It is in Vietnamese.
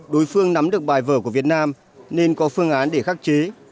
đối phương nắm được bài vở của việt nam nên có phương án để khắc chế